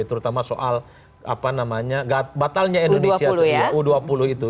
terutama soal batalnya indonesia u dua puluh itu